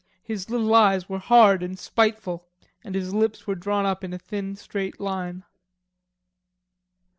His little eyes were hard and spiteful and his lips were drawn up in a thin straight line.